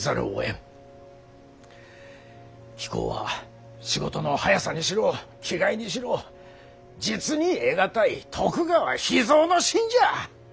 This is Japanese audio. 貴公は仕事の早さにしろ気概にしろ実に得難い徳川秘蔵の臣じゃ。